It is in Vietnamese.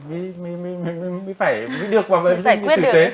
mới phải được vào vệ sinh tử tế